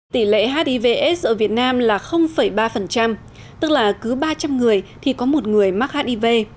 tỷ lệ hivs ở việt nam là ba tức là cứ ba trăm linh người thì có một người mắc hiv